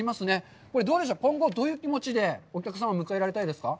これ、どうでしょう、今後はどういう気持ちでお客さんを迎えられたいですか？